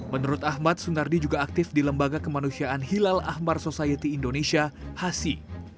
menurut ahmad sunardi juga aktif di lembaga kemanusiaan hilal ahmad society indonesia hasi